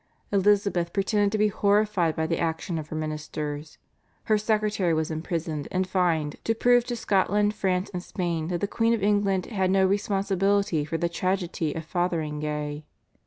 Elizabeth pretended to be horrified by the action of her ministers. Her secretary was imprisoned and fined to prove to Scotland, France, and Spain that the Queen of England had no responsibility for the tragedy of Fotheringay.